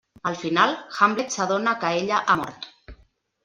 Al final, Hamlet s'adona que ella ha mort.